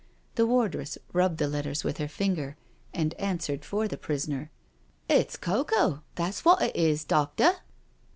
The wardress rubbed the letters with her finger and answered for the prisoner. " It's cocoa, that's what it is, doctor."